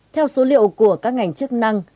theo số liệu của các ngành chức năng